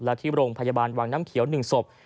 และที่โรงพยาบาลวังน้ำเขียว๑ศพ